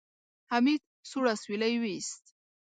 حميد سوړ اسويلی وېست.